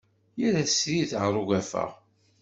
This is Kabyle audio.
Yerra srid ɣer ugafa.